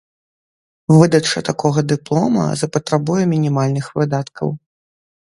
Выдача такога дыплома запатрабуе мінімальных выдаткаў.